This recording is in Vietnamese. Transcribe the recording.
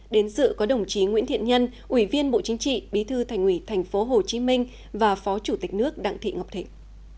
đến dự có đồng chí nguyễn thiện nhân ủy viên bộ chính trị bí thư thành ủy tp hcm và phó chủ tịch nước đặng thị ngọc thịnh